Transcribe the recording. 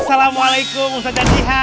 assalamualaikum ustazah jihan